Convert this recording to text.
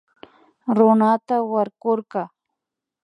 Runata warkurka